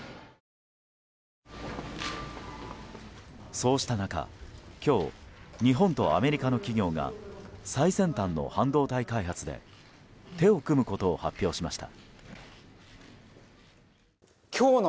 そうした中、今日日本とアメリカの企業が最先端の半導体開発で手を組むことを発表しました。